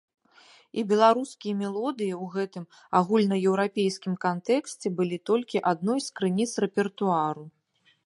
І беларускія мелодыі ў гэтым агульнаеўрапейскім кантэксце былі толькі адной з крыніц рэпертуару.